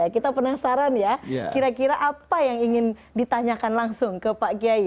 kita penasaran ya kira kira apa yang ingin ditanyakan langsung ke pak kiai